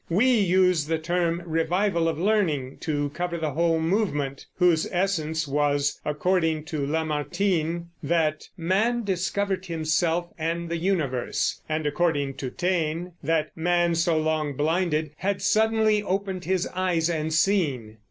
We use the term Revival of Learning to cover the whole movement, whose essence was, according to Lamartine, that "man discovered himself and the universe," and, according to Taine, that man, so long blinded, "had suddenly opened his eyes and seen."